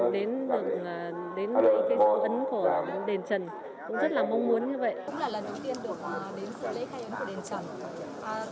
lễ khai ấn được đến lễ khai ấn của đền trần cũng rất là mong muốn như vậy